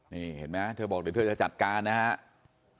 นี่เห็นไหมเธอบอกเดี๋ยวเธอจะจัดการนะครับ